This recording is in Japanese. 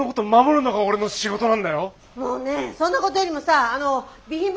もうねそんなことよりもさあの備品ボックス。